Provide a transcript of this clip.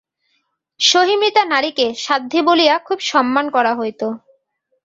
সহমৃতা নারীকে সাধ্বী বলিয়া খুব সম্মান করা হইত।